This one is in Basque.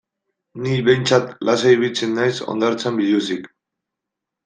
Ni behintzat lasai ibiltzen naiz hondartzan biluzik.